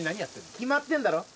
決まってんだろ。